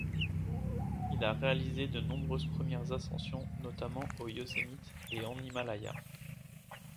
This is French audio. Il a réalisé de nombreuses premières ascensions notamment au Yosemite et en Himalaya.